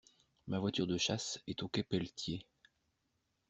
Ma voiture de chasse est au Quai Pelletier.